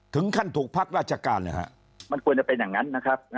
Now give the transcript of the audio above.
ถึงขั้นถูกพักราชการเลยฮะมันควรจะเป็นอย่างนั้นนะครับ